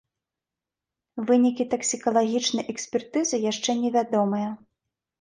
Вынікі таксікалагічнай экспертызы яшчэ невядомыя.